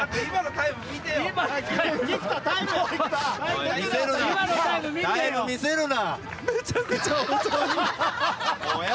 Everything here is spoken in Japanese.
タイム見せるな。